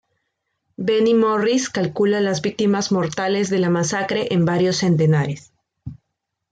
Benny Morris calcula las víctimas mortales de la masacre en varios centenares.